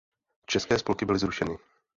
České spolky byly zrušeny.